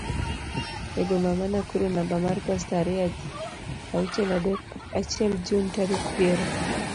e boma ma Nakuru namba mar posta ariyo auchiel adek achiel Jun tarik piero